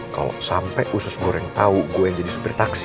kalo sampe usus goreng tau gue jadi supir taksi